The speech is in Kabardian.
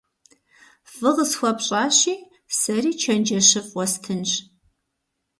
Фӏы къысхуэпщӏащи, сэри чэнджэщыфӏ уэстынщ.